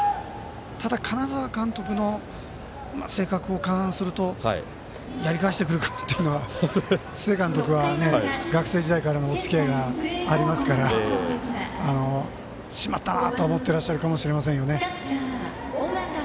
ただ、金沢監督の性格を勘案するとやり返してくるかなっていうのは須江監督とは学生時代からのおつきあいがありますからしまったと思ってらっしゃるかもしれませんよね。